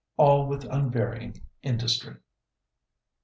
all with unvarying industry."